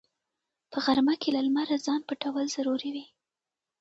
په غرمه کې له لمره ځان پټول ضروري وي